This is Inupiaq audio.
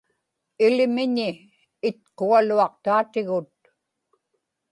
ilimiñi itqugaluaqtaatigut